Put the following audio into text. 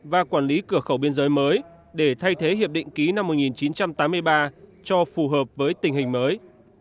và quản lý cửa khẩu biên giới mới để thay thế hiệp định ký năm một nghìn chín trăm tám mươi ba cho phù hợp với tình hình mới